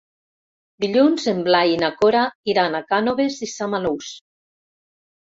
Dilluns en Blai i na Cora iran a Cànoves i Samalús.